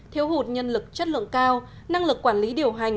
thiếu hụt nhân lực chất lượng cao năng lực quản lý điều hành